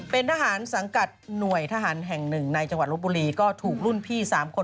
เป็นทหารสังกัดหน่วยทหารแห่งหนึ่งในจังหวัดลบบุรีก็ถูกรุ่นพี่๓คน